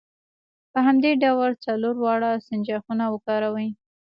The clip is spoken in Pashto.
په همدې ډول څلور واړه سنجاقونه وکاروئ.